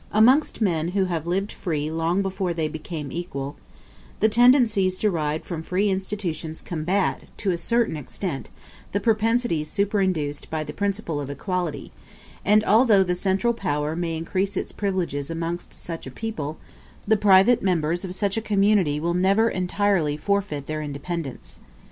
Amongst men who have lived free long before they became equal, the tendencies derived from free institutions combat, to a certain extent, the propensities superinduced by the principle of equality; and although the central power may increase its privileges amongst such a people, the private members of such a community will never entirely forfeit their independence.